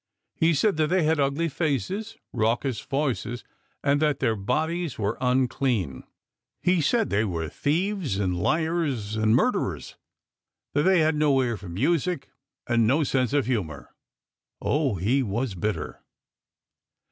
He said that they had ugly faces, raucous voices, and that their bodies were unclean. He said they were thieves and liars and murderers, that they had no ear for music and no sense of humour. Oh, he was bitter